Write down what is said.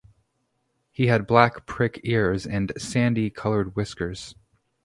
He had black prick ears and sandy coloured whiskers.